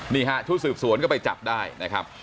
นี่ฮะชุดสืบสวนก็ไปจับได้นะครับ